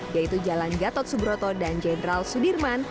yaitu jalan gatot subroto dan jenderal sudirman